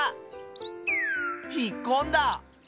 ひっこんだ！